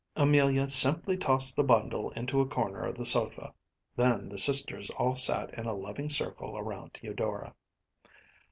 Amelia simply tossed the bundle into a corner of the sofa; then the sisters all sat in a loving circle around Eudora.